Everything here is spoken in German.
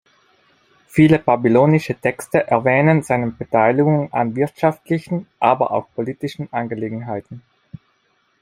Viele babylonische Texte erwähnen seine Beteiligung an wirtschaftlichen, aber auch politischen Angelegenheiten.